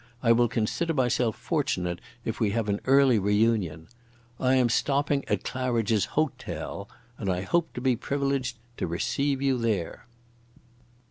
I will consider myself fortunate if we have an early reunion. I am stopping at Claridge's Ho tel, and I hope to be privileged to receive you there."